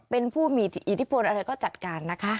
เป็นผู้มีอิทธิพลอะไรก็จัดการนะคะ